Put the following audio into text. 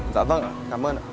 dạ vâng ạ cảm ơn ạ